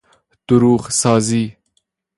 دروغ سازی